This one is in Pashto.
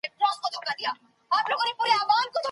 ستا د نازو زمه وار زه يم